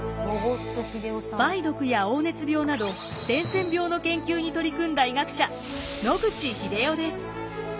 梅毒や黄熱病など伝染病の研究に取り組んだ医学者野口英世です。